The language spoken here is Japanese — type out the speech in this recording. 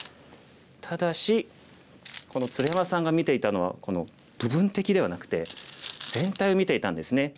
ただし鶴山さんが見ていたのはこの部分的ではなくて全体を見ていたんですね。